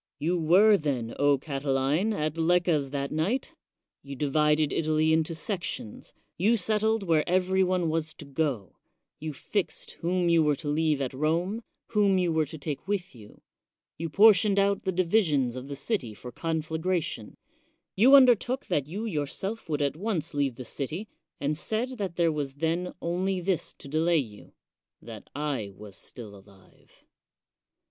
You were, then, O Catiline, at Lecca's that night ; you divided Italy into sections ; you settled where every one was to go; you fixed whom you were to leave at Rome, whom you were to take with you ; you portioned out the divisions of the city for coii^agration ; you undertook that you yourself would at once leave the city, and said that there was then only this to delay you, — that I was still alive.